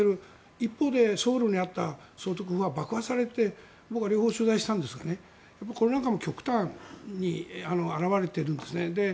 一方でソウルにあった総督は爆破されて僕は両方取材したんですがこれなんかにも極端に表れているんですね。